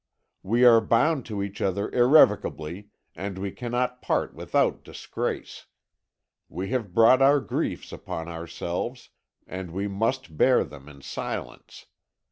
We are bound to each other irrevocably, and we cannot part without disgrace. We have brought our griefs upon ourselves, and we must bear them in silence.